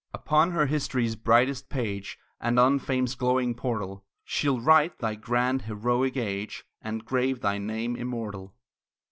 Upon her history's brightest page, And on fame's glowing portal, She'll write thy grand, heroic age, And grave thy name immortal.